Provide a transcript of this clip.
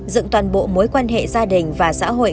dựng toàn bộ mối quan hệ gia đình và xã hội